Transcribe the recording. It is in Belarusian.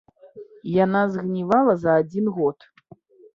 Яна згнівала за адзін год.